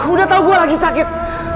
aku udah tau gue lagi sakit